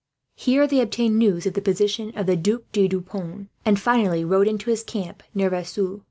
They here obtained news of the position of the Duc de Deux Ponts, and finally rode into his camp, near Vesoul.